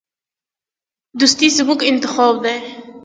دوستي زموږ انتخاب دی.